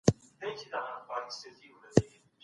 ډاکټرانو د خلګو ژوند ژغوره.